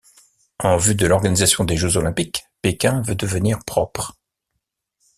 En vue de l'organisation des Jeux olympiques, Pékin veut devenir propre.